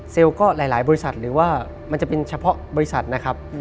ก็หลายบริษัทหรือว่ามันจะเป็นเฉพาะบริษัทนะครับ